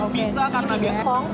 bisa karena biasamu